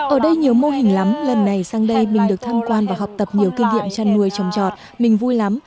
ở đây nhiều mô hình lắm lần này sang đây mình được tham quan và học tập nhiều kinh nghiệm chăn nuôi trồng trọt mình vui lắm